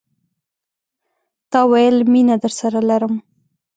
تا ویل، میینه درسره لرم